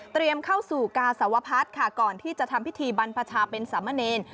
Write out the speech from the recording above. เข้าสู่กาสวพัฒน์ค่ะก่อนที่จะทำพิธีบรรพชาเป็นสามเณร